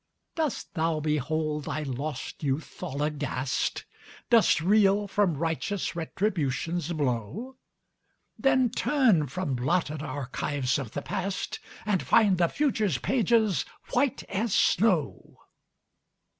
Dost thou behold thy lost youth all aghast? Dost reel from righteous Retribution's blow? Then turn from blotted archives of the past, And find the future's pages white as snow.